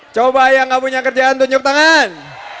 coba yang gak punya kerjaan tunjuk tangan